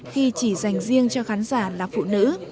khi chỉ dành riêng cho khán giả là phụ nữ